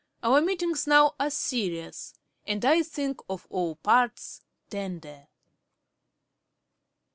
Our meetings now are serious, and I think on all parts tender.'